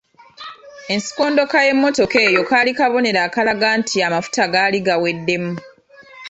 Ensikondoka y’emmotoka eyo kaali kabonero akalaga nti amafuta gaali gaweddemu.